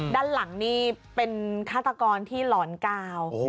ด้านหลังนี่เป็นฆาตกรที่หลอนกาว